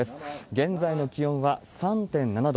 現在の気温は３．７度。